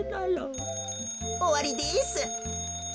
おわりです。